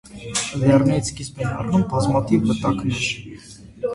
Լեռներից սկիզբ են առնում բազմաթիվ վտակներ։